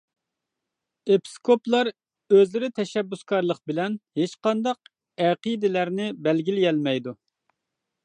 ئېپىسكوپلار ئۆزلىرى تەشەببۇسكارلىق بىلەن ھېچقانداق ئەقىدىلەرنى بەلگىلىيەلمەيدۇ.